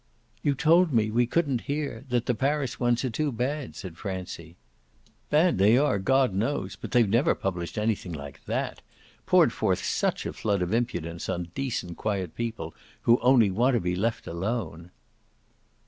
"You told me we couldn't here that the Paris ones are too bad," said Francie. "Bad they are, God knows; but they've never published anything like that poured forth such a flood of impudence on decent quiet people who only want to be left alone."